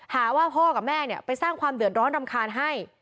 หาว่าพ่อกับแม่เนี่ยไปสร้างความเดือดร้อนรำคาญให้